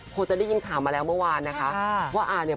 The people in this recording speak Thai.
คนจะได้ยินข่าวมะวานเขาผมมีความรู้ว่าพูดถึงว่า